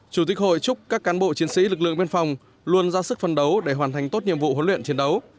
chủ tịch hội chúc các cán bộ chiến sĩ lực lượng biên phòng luôn ra sức phân đấu để hoàn thành tốt nhiệm vụ huấn luyện chiến đấu